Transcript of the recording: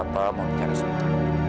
papa mau nikah di rumah